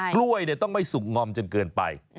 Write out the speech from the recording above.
กล้วยต้องไม่สุกงอมจนเกินไป